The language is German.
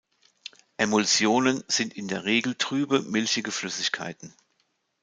Emulsionen sind in der Regel trübe, milchige Flüssigkeiten.